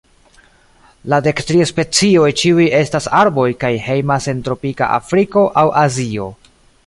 La dek tri specioj ĉiuj estas arboj, kaj hejmas en tropika Afriko aŭ Azio.